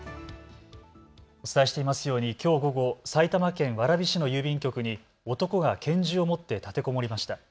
お伝えしていますようにきょう午後、埼玉県蕨市の郵便局に男が拳銃を持って立てこもりました。